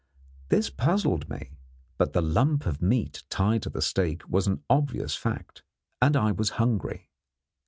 This puzzled me, but the lump of meat tied to the stake was an obvious fact; and I was hungry.